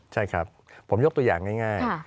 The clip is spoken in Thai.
ใช่ครับผมยกตัวอย่างง่าย